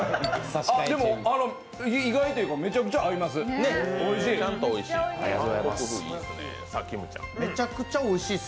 でも、意外といいというか、めちゃくちゃ合います。